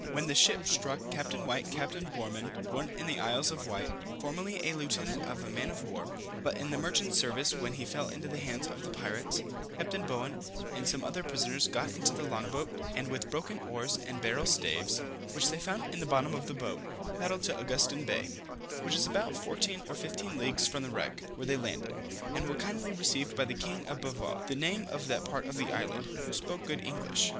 When the ship struck, Capt. White, Capt. Boreman, (born in the Isle of Wight, formerly a lieutenant of a man of war, but in the merchant service when he fell into the hands of the pirates,) Capt. Bowen and some other prisoners got into the long boat, and with broken oars and barrel staves, which they found in the bottom of the boat, paddled to Augustin Bay, which is about 14 or 15 leagues from the wreck, where they landed, and were kindly received by the king of Bavaw, (the name of that part of the island) who spoke good English.